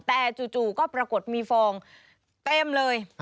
แต่จู่ก็ปรากฏมีฟองเต็มเลย